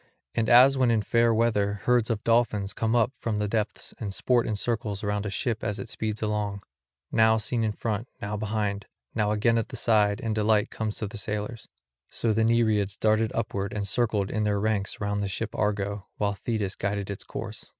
And as when in fair weather herds of dolphins come up from the depths and sport in circles round a ship as it speeds along, now seen in front, now behind, now again at the side and delight comes to the sailors; so the Nereids darted upward and circled in their ranks round the ship Argo, while Thetis guided its course.